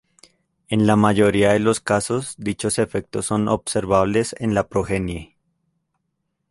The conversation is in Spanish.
En la mayoría de los casos, dichos efectos son observables en la progenie.